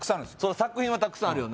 作品はたくさんあるよな